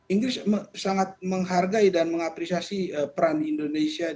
inggris sangat menghargai dan mengapresiasi peran indonesia